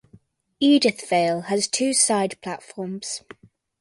Edithvale has two side platforms.